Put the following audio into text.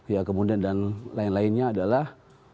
ya kemudian dan lain lainnya adalah